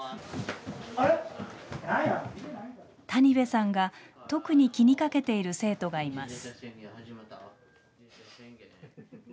谷部さんが特に気にかけている生徒がいます。